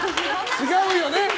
違うよね！